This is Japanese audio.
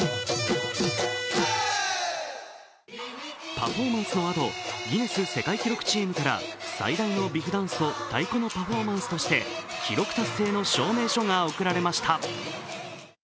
パフォーマンスのあとギネス世界記録チームから最大のビフダンスと太鼓のパフォーマンスとして記録達成の証明書が贈られました。